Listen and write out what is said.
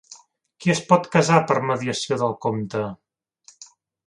Qui es pot casar per mediació del comte?